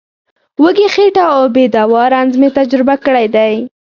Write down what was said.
وږې خېټه او بې دوا رنځ مې تجربه کړی دی.